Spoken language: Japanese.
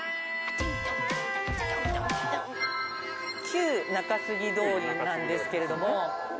旧中杉通りなんですけれども。